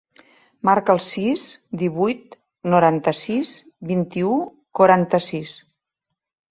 Marca el sis, divuit, noranta-sis, vint-i-u, quaranta-sis.